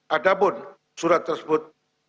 ada pun surat tersebut